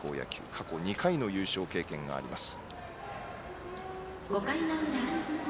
過去２回の優勝経験があります。